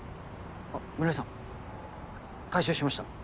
あっ村井さん。回収しました。